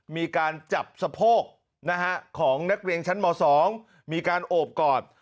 มีการจับสะโพกของนักเรียนชั้นม๒มีการโอบกอด